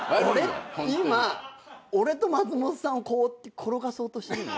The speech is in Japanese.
今俺と松本さんを転がそうとしてるの？